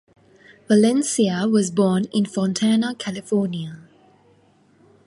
Valencia was born in Fontana, California.